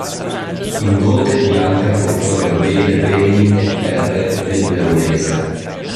In dote, Bianca portò a Gabriele beni e terre del Veronese.